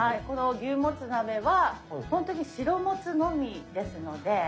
この「牛もつ鍋」はホントに白もつのみですので。